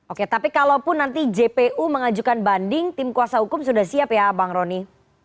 oke tapi kalaupun nanti jpu mengajukan banding tim kuasa hukum sudah siap ya bang roni